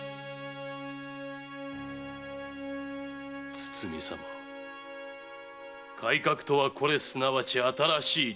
堤様改革とはこれすなわち新しい利権。